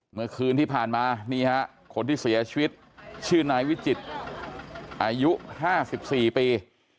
เมื่อคืนที่ผ่านมานี่ฮะคนที่เสียชีวิตชื่อนายวิจิตรอายุ๕๔ปี